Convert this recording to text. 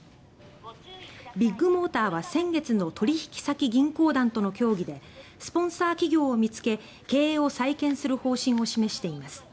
ビッグモーターは先月の取引先銀行団との協議でスポンサー企業を見つけ経営を再建する方針を示しています。